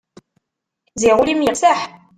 Ziɣ ul-im yeqseḥ.